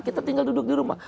kita tinggal duduk di rumah